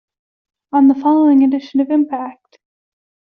On the following edition of Impact!